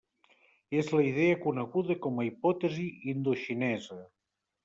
És la idea coneguda com a hipòtesi indoxinesa.